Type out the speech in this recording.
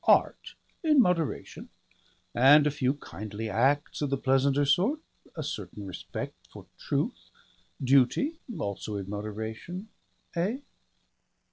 Art in moderation, and a few kindly acts of the pleasanter sort, a certain respect for truth; duty also in moderation. Eh?